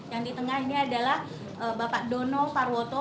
yang di tengah ini adalah bapak dono sarwoto